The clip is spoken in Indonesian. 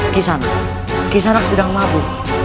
kisanak kisanak sedang mabuk